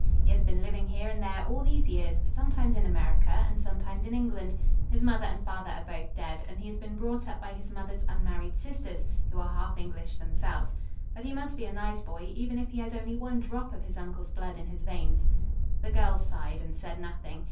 He has been living here and there all these years, sometimes in America and sometimes in England. His mother and father are both dead, and he has been brought up by his mother's unmarried sisters, who are half English themselves. But he must be a nice boy, even if he has only one drop of his uncle's blood in his veins." The girls sighed and said nothing.